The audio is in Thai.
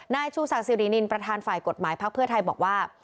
นายชูศักดิรินินประธานฝ่ายกฎหมายพักเพื่อไทยบอกว่า